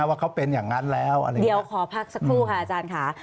ว่าเขาเป็นอย่างนั้นแล้วเดี๋ยวขอพักสักครู่ค่ะอาจารย์ค่ะ